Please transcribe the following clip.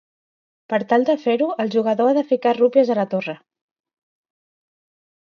Per tal de fer-ho, el jugador ha de ficar rupies a la torre.